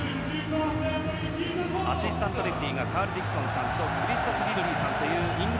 アシスタントレフリーがカール・ディクソンさんとクリストフ・リドリーさん。